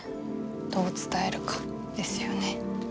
どう伝えるかですよね。